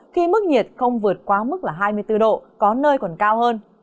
khi mức nhiệt không vượt quá mức hai mươi bốn độ có nơi còn cao hơn